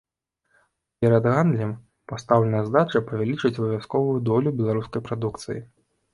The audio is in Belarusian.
Перад гандлем пастаўленая задача павялічыць абавязковую долю беларускай прадукцыі.